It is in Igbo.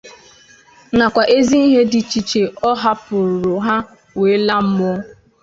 nakwa ezi ihe dị iche iche ọ hapụụrụ ha wee laa mmụọ